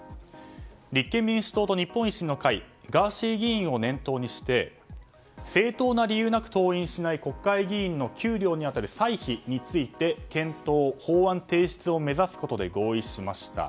立憲民主党と日本維新の会ガーシー議員を念頭にして正当な理由なく登院しない国会議員の給料に当たる歳費について検討、法案提出を目指すことで合意しました。